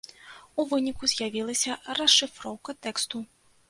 У выніку з'явілася расшыфроўка тэксту.